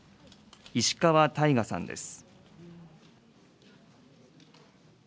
石川大我さんです。